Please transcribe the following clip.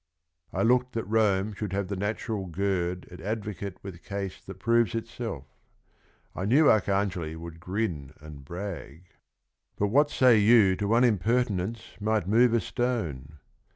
f'l looked that Rome should have the natural gird At advocate with case that proves itself; I knew Arcangeli would grin and brag : But what say you to one impertinence Might move a stone